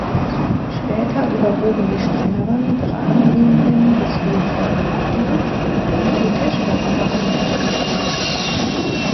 Später überwogen die strengeren, geraden Linien des Louis-seize-Stils, und die Tischplatten waren rechteckig.